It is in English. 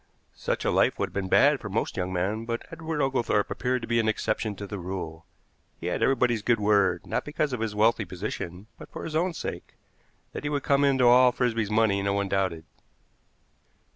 Such a life would have been bad for most young men, but Edward Oglethorpe appeared to be an exception to the rule. He had everybody's good word, not because of his wealthy position, but for his own sake. That he would come into all Frisby's money no one doubted.